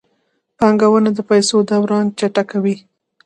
بانکونه د پیسو دوران چټکوي.